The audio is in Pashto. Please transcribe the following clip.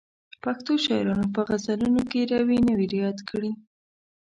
پښتو شاعرانو په غزلونو کې روي نه وي رعایت کړی.